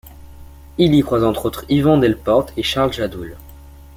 Il y croise entre autres Yvan Delporte et Charles Jadoul.